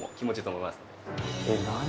えっ何？